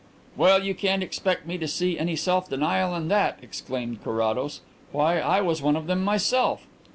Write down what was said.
"Well, you can't expect me to see any self denial in that," exclaimed Carrados. "Why, I was one of them myself."